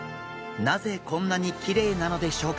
なぜこんなにきれいなのでしょうか？